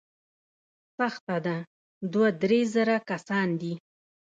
سخته ده، دوه، درې زره کسان دي.